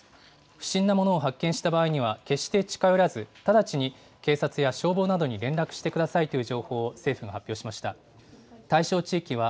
不審なものを発見した場合には、決して近寄らず、直ちに警察や消防などに連絡してくださいという情報を政府が発表しました。